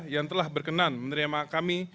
yang telah berkenan menerima kami